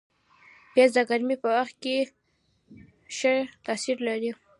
پیاز د ګرمۍ په وخت ښه تاثیر لري